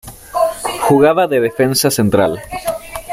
Jugaba de defensa central.